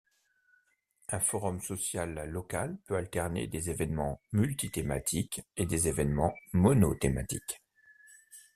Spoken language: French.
Un forum social local peut alterner des événements multi-thématiques et des événements mono-thématiques.